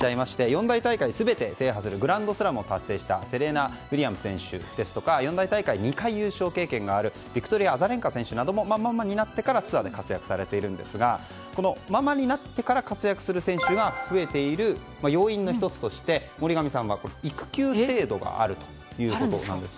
四大大会を全て制覇するグランドスラムを達成したセリーナ・ウィリアムズ選手や四大大会、２回優勝経験があるビクトリア・アザレンカ選手もママになってからツアーで活躍されているんですがこのままになってから活躍する選手が増えている要因の１つとして、森上さんは育休制度があるということです。